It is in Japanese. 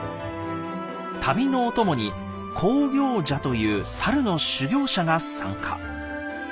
旅のお供に「猴行者」というサルの修行者が参加。